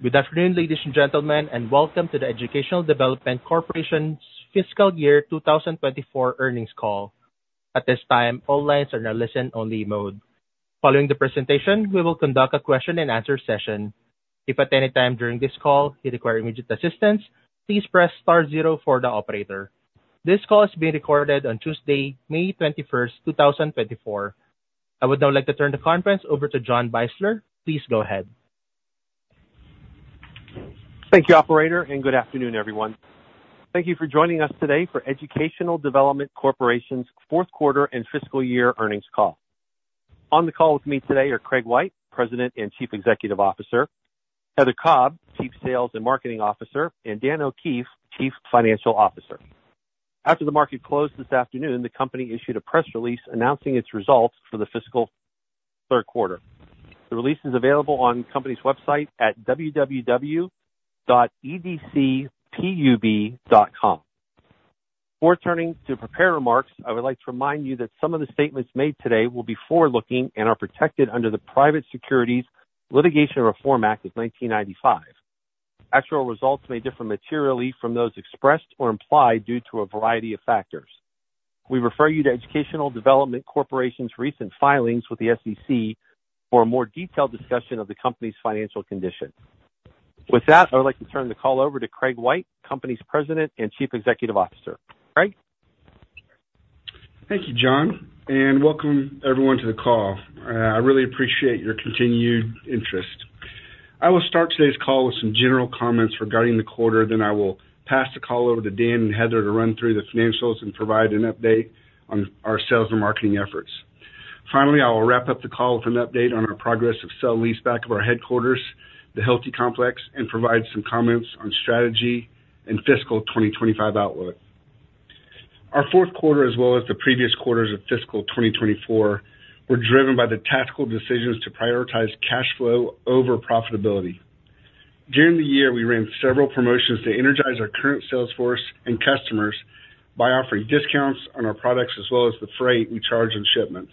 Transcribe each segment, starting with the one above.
Good afternoon, ladies and gentlemen, and welcome to the Educational Development Corporation's Fiscal Year 2024 earnings call. At this time, all lines are in a listen-only mode. Following the presentation, we will conduct a question and answer session. If at any time during this call you require immediate assistance, please press star zero for the operator. This call is being recorded on Tuesday, May 21st, 2024. I would now like to turn the conference over to John Beisler. Please go ahead. Thank you, operator, and good afternoon, everyone. Thank you for joining us today for Educational Development Corporation's fourth quarter and fiscal year earnings call. On the call with me today are Craig White, President and Chief Executive Officer, Heather Cobb, Chief Sales and Marketing Officer, and Dan O'Keefe, Chief Financial Officer. After the market closed this afternoon, the company issued a press release announcing its results for the fiscal third quarter. The release is available on the company's website at www.edcpub.com. Before turning to prepared remarks, I would like to remind you that some of the statements made today will be forward-looking and are protected under the Private Securities Litigation Reform Act of 1995. Actual results may differ materially from those expressed or implied due to a variety of factors. We refer you to Educational Development Corporation's recent filings with the SEC for a more detailed discussion of the company's financial condition. With that, I would like to turn the call over to Craig White, the company's President and Chief Executive Officer. Craig? Thank you, John, and welcome everyone to the call. I really appreciate your continued interest. I will start today's call with some general comments regarding the quarter, then I will pass the call over to Dan and Heather to run through the financials and provide an update on our sales and marketing efforts. Finally, I will wrap up the call with an update on our progress of sale-leaseback of our headquarters, the Hilti Complex, and provide some comments on strategy and fiscal 2025 outlook. Our fourth quarter, as well as the previous quarters of fiscal 2024, were driven by the tactical decisions to prioritize cash flow over profitability. During the year, we ran several promotions to energize our current sales force and customers by offering discounts on our products as well as the freight we charge on shipments.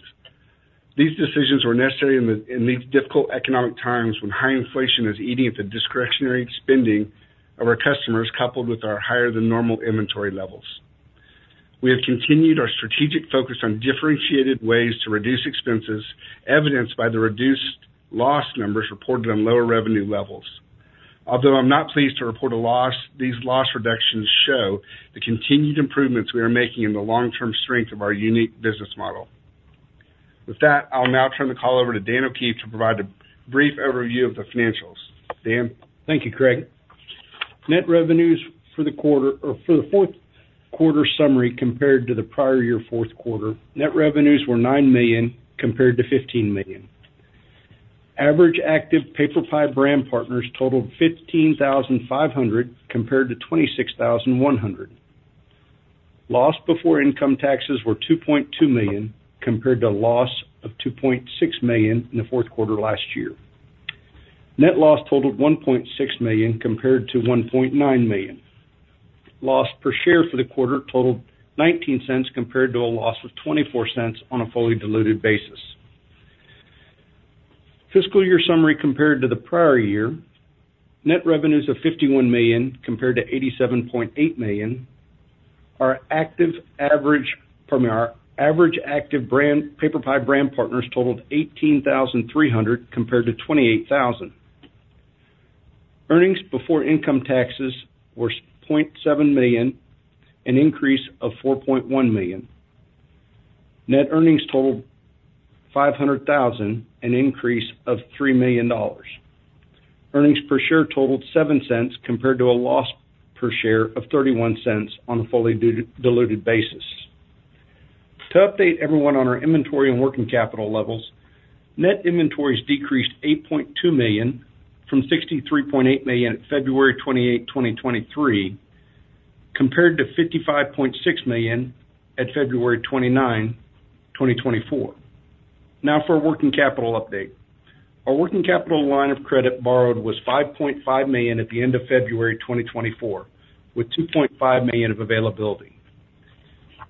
These decisions were necessary in the... In these difficult economic times, when high inflation is eating at the discretionary spending of our customers, coupled with our higher than normal inventory levels. We have continued our strategic focus on differentiated ways to reduce expenses, evidenced by the reduced loss numbers reported on lower revenue levels. Although I'm not pleased to report a loss, these loss reductions show the continued improvements we are making in the long-term strength of our unique business model. With that, I'll now turn the call over to Dan O'Keefe to provide a brief overview of the financials. Dan? Thank you, Craig. Net revenues for the quarter or for the fourth quarter summary compared to the prior year fourth quarter, net revenues were $9 million, compared to $15 million. Average active PaperPie brand partners totaled 15,500, compared to 26,100. Loss before income taxes were $2.2 million, compared to a loss of $2.6 million in the fourth quarter last year. Net loss totaled $1.6 million, compared to $1.9 million. Loss per share for the quarter totaled $0.19, compared to a loss of $0.24 on a fully diluted basis. Fiscal year summary compared to the prior year, net revenues of $51 million, compared to $87.8 million. Our active average, pardon me, our average active brand, PaperPie brand partners totaled 18,300, compared to 28,000. Earnings before income taxes were $0.7 million, an increase of $4.1 million. Net earnings totaled $500,000, an increase of $3 million. Earnings per share totaled $0.07, compared to a loss per share of $0.31 on a fully diluted basis. To update everyone on our inventory and working capital levels, net inventories decreased $8.2 million from $63.8 million at February 28th 2023, compared to $55.6 million at February 29th, 2024. Now for a working capital update. Our working capital line of credit borrowed was $5.5 million at the end of February 2024, with $2.5 million of availability.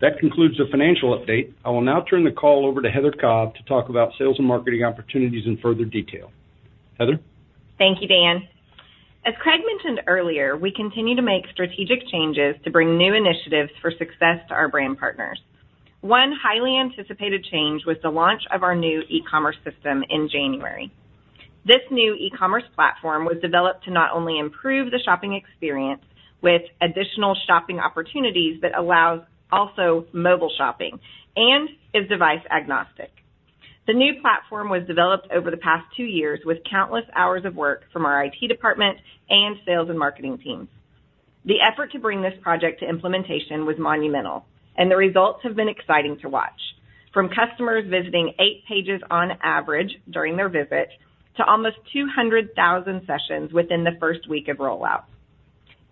That concludes the financial update. I will now turn the call over to Heather Cobb to talk about sales and marketing opportunities in further detail. Heather? Thank you, Dan. As Craig mentioned earlier, we continue to make strategic changes to bring new initiatives for success to our brand partners. One highly anticipated change was the launch of our new e-commerce system in January. This new e-commerce platform was developed to not only improve the shopping experience with additional shopping opportunities, but allows also mobile shopping and is device agnostic. The new platform was developed over the past two years with countless hours of work from our IT department and sales and marketing teams. The effort to bring this project to implementation was monumental, and the results have been exciting to watch. From customers visiting eight pages on average during their visit to almost 200,000 sessions within the first week of rollout.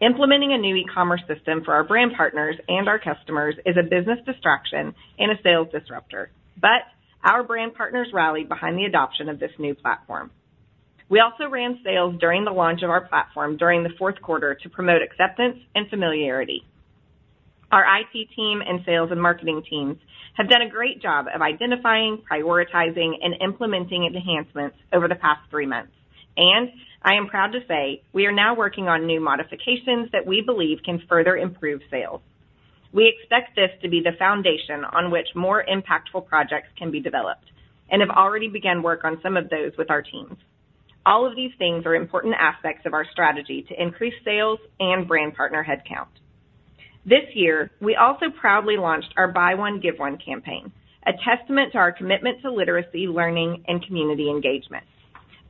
Implementing a new e-commerce system for our brand partners and our customers is a business distraction and a sales disrupter, but our brand partners rallied behind the adoption of this new platform. We also ran sales during the launch of our platform during the fourth quarter to promote acceptance and familiarity.... Our IT team and sales and marketing teams have done a great job of identifying, prioritizing, and implementing enhancements over the past three months, and I am proud to say we are now working on new modifications that we believe can further improve sales. We expect this to be the foundation on which more impactful projects can be developed and have already began work on some of those with our teams. All of these things are important aspects of our strategy to increase sales and brand partner headcount. This year, we also proudly launched our Buy One, Give One campaign, a testament to our commitment to literacy, learning, and community engagement.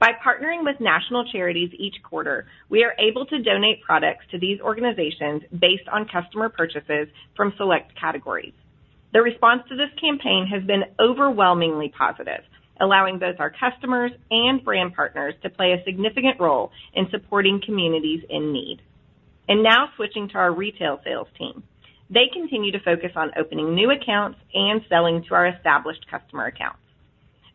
By partnering with national charities each quarter, we are able to donate products to these organizations based on customer purchases from select categories. The response to this campaign has been overwhelmingly positive, allowing both our customers and brand partners to play a significant role in supporting communities in need. And now switching to our retail sales team. They continue to focus on opening new accounts and selling to our established customer accounts.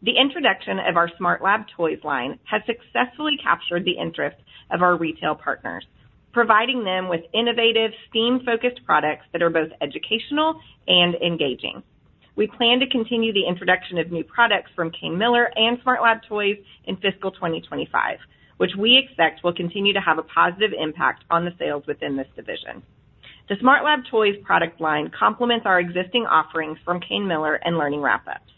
The introduction of our SmartLab Toys line has successfully captured the interest of our retail partners, providing them with innovative, STEAM-focused products that are both educational and engaging. We plan to continue the introduction of new products from Kane Miller and SmartLab Toys in fiscal 2025, which we expect will continue to have a positive impact on the sales within this division. The SmartLab Toys product line complements our existing offerings from Kane Miller and Learning Wrap-ups.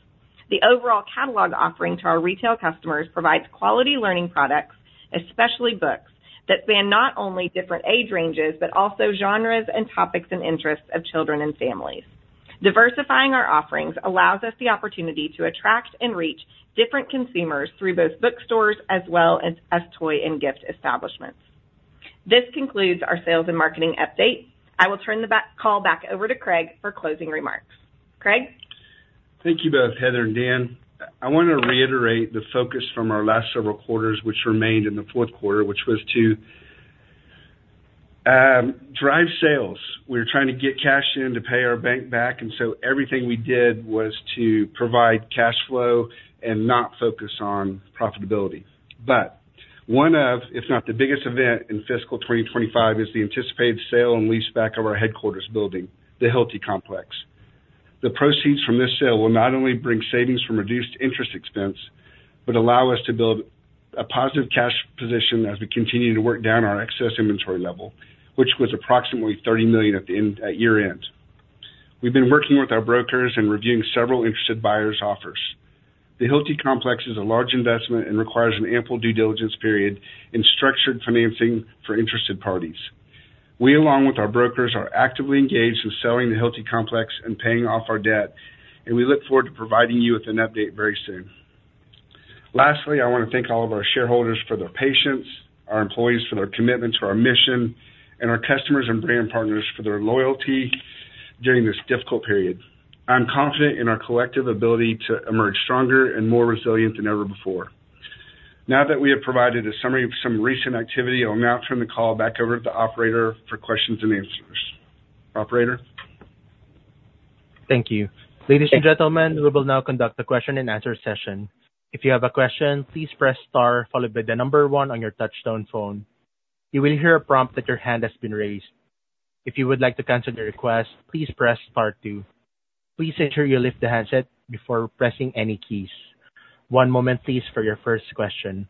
The overall catalog offering to our retail customers provides quality learning products, especially books, that span not only different age ranges, but also genres and topics and interests of children and families. Diversifying our offerings allows us the opportunity to attract and reach different consumers through both bookstores as well as toy and gift establishments. This concludes our sales and marketing update. I will turn the call back over to Craig for closing remarks. Craig? Thank you both, Heather and Dan. I want to reiterate the focus from our last several quarters, which remained in the fourth quarter, which was to drive sales. We were trying to get cash in to pay our bank back, and so everything we did was to provide cash flow and not focus on profitability. But one of, if not the biggest event in fiscal 2025, is the anticipated sale and leaseback of our headquarters building, the Hilti Complex. The proceeds from this sale will not only bring savings from reduced interest expense, but allow us to build a positive cash position as we continue to work down our excess inventory level, which was approximately $30 million at year-end. We've been working with our brokers and reviewing several interested buyers' offers. The Hilti Complex is a large investment and requires an ample due diligence period and structured financing for interested parties. We, along with our brokers, are actively engaged in selling the Hilti Complex and paying off our debt, and we look forward to providing you with an update very soon. Lastly, I want to thank all of our shareholders for their patience, our employees for their commitment to our mission, and our customers and Brand Partners for their loyalty during this difficult period. I'm confident in our collective ability to emerge stronger and more resilient than ever before. Now that we have provided a summary of some recent activity, I'll now turn the call back over to the operator for questions and answers. Operator? Thank you. Ladies and gentlemen, we will now conduct a question and answer session. If you have a question, please press star, followed by the number one on your touch-tone phone. You will hear a prompt that your hand has been raised. If you would like to cancel the request, please press star two. Please ensure you lift the handset before pressing any keys. One moment, please, for your first question.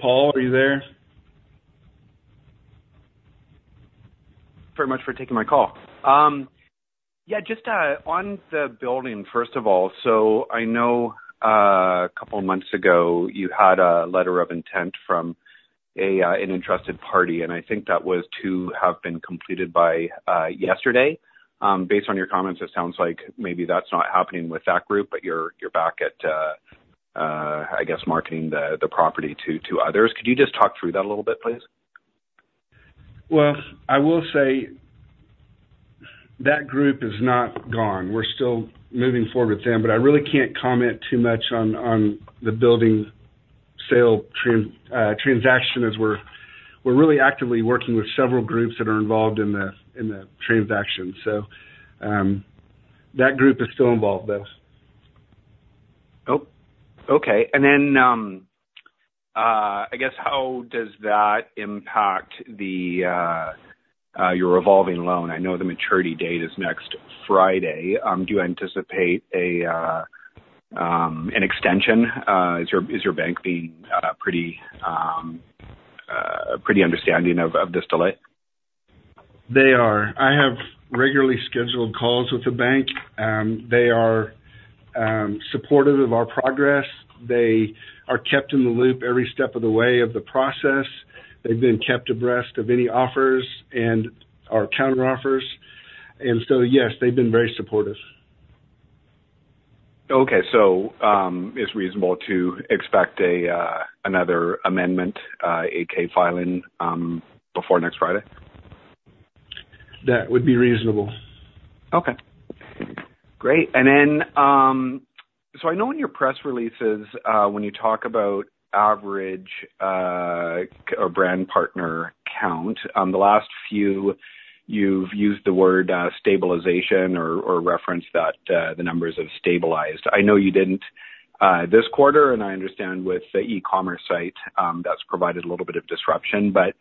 Paul, are you there? Very much for taking my call. Yeah, just on the building, first of all, so I know a couple of months ago, you had a letter of intent from an interested party, and I think that was to have been completed by yesterday. Based on your comments, it sounds like maybe that's not happening with that group, but you're back at, I guess, marketing the property to others. Could you just talk through that a little bit, please? Well, I will say that group is not gone. We're still moving forward with them, but I really can't comment too much on the building sale transaction, as we're really actively working with several groups that are involved in the transaction. So, that group is still involved, though. Oh, okay. And then, I guess, how does that impact your revolving loan? I know the maturity date is next Friday. Do you anticipate an extension? Is your bank being pretty understanding of this delay? They are. I have regularly scheduled calls with the bank. They are supportive of our progress. They are kept in the loop every step of the way of the process. They've been kept abreast of any offers and our counteroffers, and so, yes, they've been very supportive. Okay. So, it's reasonable to expect another amendment, 8-K filing, before next Friday? That would be reasonable. Okay... Great! And then, so I know in your press releases, when you talk about average, or Brand Partner count, on the last few, you've used the word, stabilization or, or referenced that, the numbers have stabilized. I know you didn't this quarter, and I understand with the e-commerce site, that's provided a little bit of disruption, but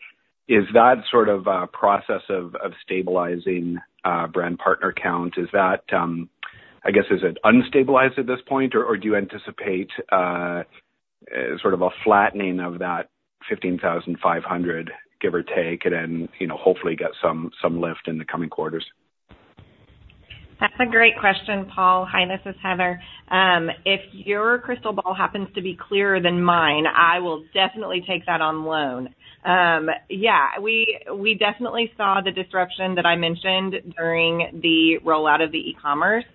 is that sort of process of stabilizing, Brand Partner count, is that, I guess, is it unstabilized at this point, or, or do you anticipate, sort of a flattening of that 15,500, give or take, and then, you know, hopefully get some lift in the coming quarters? That's a great question, Paul. Hi, this is Heather. If your crystal ball happens to be clearer than mine, I will definitely take that on loan. Yeah, we definitely saw the disruption that I mentioned during the rollout of the e-commerce.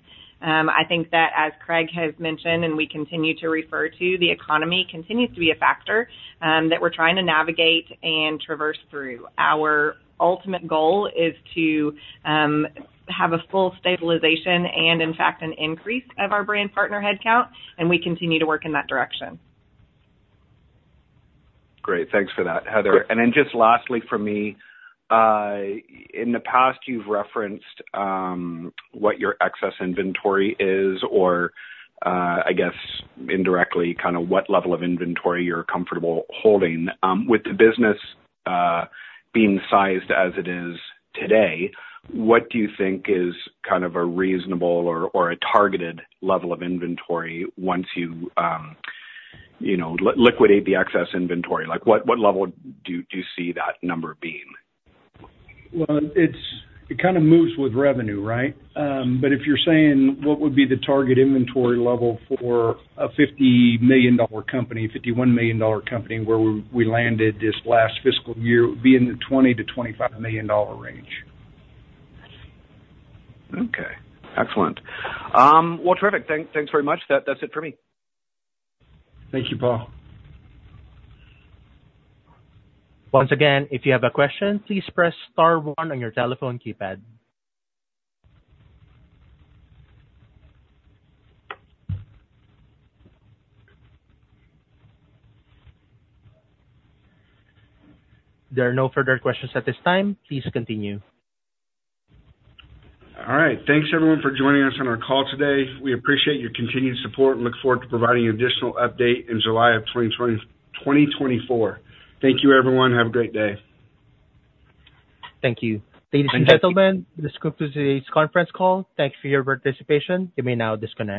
I think that as Craig has mentioned, and we continue to refer to, the economy continues to be a factor that we're trying to navigate and traverse through. Our ultimate goal is to have a full stabilization and in fact, an increase of our brand partner headcount, and we continue to work in that direction. Great. Thanks for that, Heather. And then just lastly for me, in the past, you've referenced what your excess inventory is, or, I guess indirectly, kind of what level of inventory you're comfortable holding. With the business being sized as it is today, what do you think is kind of a reasonable or a targeted level of inventory once you, you know, liquidate the excess inventory? Like, what level do you see that number being? Well, it's-- it kind of moves with revenue, right? But if you're saying what would be the target inventory level for a $50 million company, $51 million company, where we landed this last fiscal year, it would be in the $20-$25 million range. Okay, excellent. Well, terrific. Thanks very much. That's it for me. Thank you, Paul. Once again, if you have a question, please press star one on your telephone keypad. There are no further questions at this time. Please continue. All right. Thanks, everyone, for joining us on our call today. We appreciate your continued support and look forward to providing an additional update in July of 2024. Thank you, everyone. Have a great day. Thank you. Ladies and gentlemen, this concludes today's conference call. Thanks for your participation. You may now disconnect.